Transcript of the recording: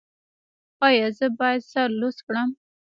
ایا زه باید سر لوڅ کړم؟